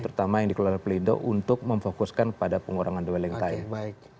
terutama yang dikeluarkan pelindo untuk memfokuskan pada pengurangan dwelling time